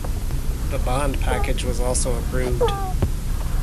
The bond package was also approved.